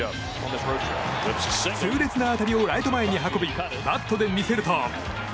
痛烈な当たりをライト前に運びバットで見せると。